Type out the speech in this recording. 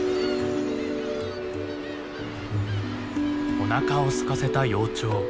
おなかをすかせた幼鳥。